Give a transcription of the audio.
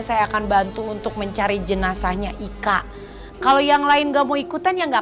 saya akan bantu untuk mencari jenazahnya ika kalau yang lain nggak mau ikutan yang enggak